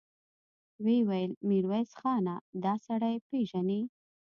ويې ويل: ميرويس خانه! دآسړی پېژنې؟